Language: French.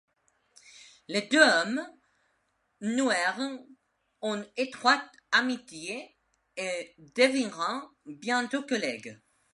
Les deux hommes nouèrent une étroite amitié et devinrent bientôt collègues.